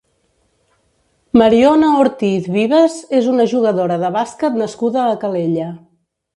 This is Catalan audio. Mariona Ortiz Vives és una jugadora de bàsquet nascuda a Calella.